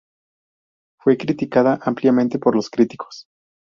Fue criticada ampliamente por los críticos.